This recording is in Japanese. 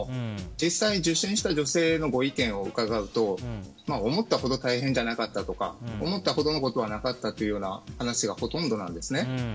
実際に受診した女性のご意見を伺うと思ったほど大変じゃなかったとか思ったほどのことはなかったという話がほとんどなんですね。